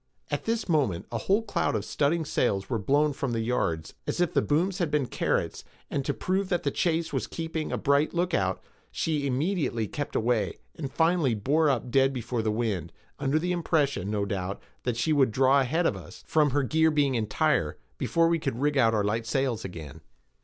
At this moment a whole cloud of studding sails were blown from the yards as if the booms had been carrots; and to prove that the chase was keeping a bright lookout, she immediately kept away, and finally bore up dead before the wind, under the impression, no doubt, that she would draw ahead of us, from her gear being entire, before we could rig out our light sails again.